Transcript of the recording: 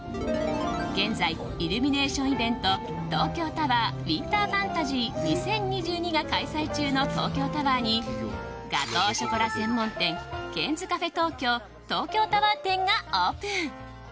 現在、イルミネーションイベント東京タワーウィンターファンタジー２０２２が開催中の東京タワーにガトーショコラ専門店ケンズカフェ東京ＴＯＫＹＯタワー店がオープン。